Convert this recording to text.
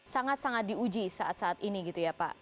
sangat sangat diuji saat saat ini gitu ya pak